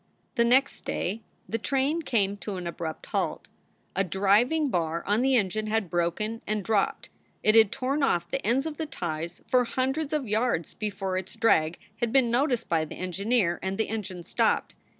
The next day the train came to an abrupt halt. A driving bar on the engine had broken and dropped; it had torn off the ends of the ties for hundreds of yards before its drag had been noticed by the engineer and the engine stopped.